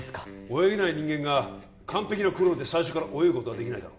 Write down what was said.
泳げない人間が完璧なクロールで最初から泳ぐことはできないだろ